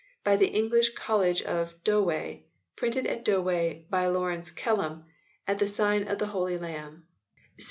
. ..By the English College Of Doway... Printed at Do way by Laurence Kellam, at the Signe of the holie Lambe.